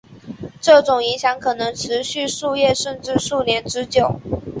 这种影响可能持续数月甚至数年之久。